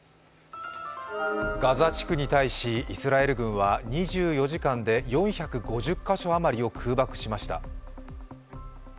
ガザ地区に対し、イスラエル軍は２４時間で４５０か所余りを空爆しました。